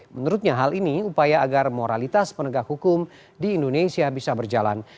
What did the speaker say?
menurutnya hal ini upaya agar moralitas penegak hukum di indonesia bisa berjalan